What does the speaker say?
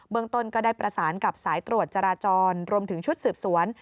เมืองต้นก็ได้ประสานกับสายตรวจจราจรรวมถึงชุดสืบสวน